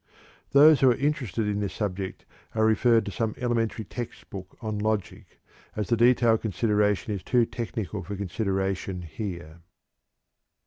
Those who are interested in this subject are referred to some elementary text book on logic, as the detailed consideration is too technical for consideration here.